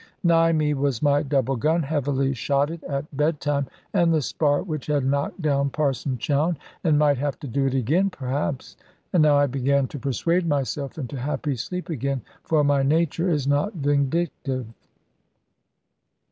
Nigh me was my double gun, heavily shotted at bedtime, and the spar which had knocked down Parson Chowne, and might have to do it again perhaps. And now I began to persuade myself into happy sleep again; for my nature is not vindictive.